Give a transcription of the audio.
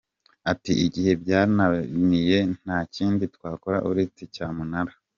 Ati “Igihe byabananiye nta kindi twakora uretse cyamunara.